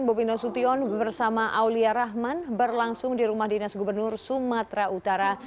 bobi nasution bersama aulia rahman berlangsung di rumah dinas gubernur sumatera utara